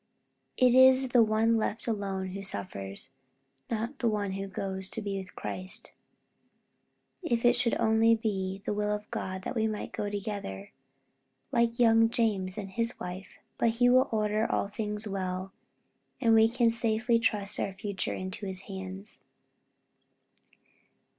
It is the one left alone who suffers, not the one who goes to be with Christ. If it should only be the will of God that we might go together, like young James and his wife. But he will order all things well, and we can safely trust our future to his hands."